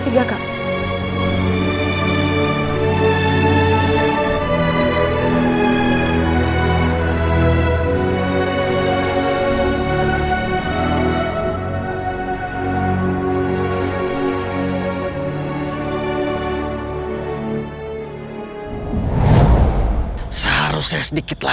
bunga kecebookan konfliksnya